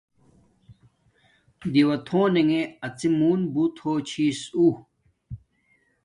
دیݸتھونݣے اَڅی مُݸن بوت ہوچھیسا اُݹ